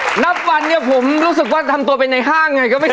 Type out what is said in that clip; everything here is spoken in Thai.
ทุกคนนับวันเนี่ยผมรู้สึกว่าทำตัวเป็นในห้างไงก็ไม่ใช่